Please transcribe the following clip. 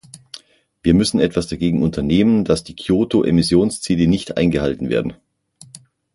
Wir müssen etwas dagegen unternehmen, dass die Kyoto-Emissionsziele nicht eingehalten werden.